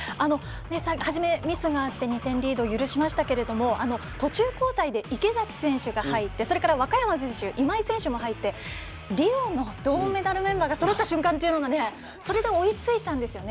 始め、ミスがあって２点リード許しましたけど途中交代で池崎選手が入ってそれから若山選手、今井選手が入ってリオの銅メダルメンバーがそろった瞬間というのがそれで追いついたんですよね。